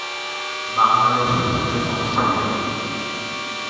বাংলাদেশে হীরার কোনো খনি নেই।